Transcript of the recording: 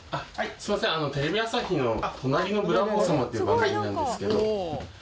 すいませんテレビ朝日の『隣のブラボー様』っていう番組なんですけど。